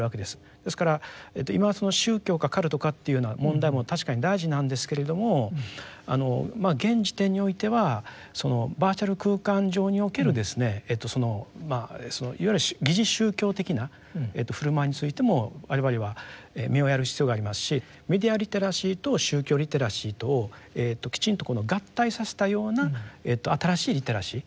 ですから今宗教かカルトかというような問題も確かに大事なんですけれどもまあ現時点においてはバーチャル空間上におけるいわゆる疑似宗教的な振る舞いについても我々は目をやる必要がありますしメディアリテラシーと宗教リテラシーとをきちんと合体させたような新しいリテラシー